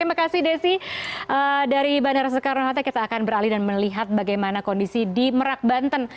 terima kasih desi dari bandara soekarno hatta kita akan beralih dan melihat bagaimana kondisi di merak banten